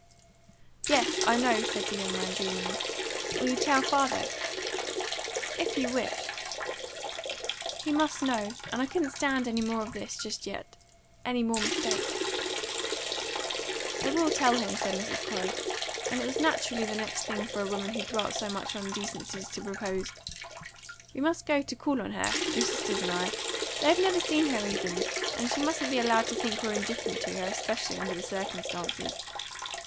"Yes, I know," said the young man drearily. "Will you tell father?" "If you wish." "He must know. And I couldn't stand any more of this, just yet any more mistake." "I will tell him," said Mrs. Corey; and it was naturally the next thing for a woman who dwelt so much on decencies to propose: "We must go to call on her your sisters and I. They have never seen her even; and she mustn't be allowed to think we're indifferent to her, especially under the circumstances."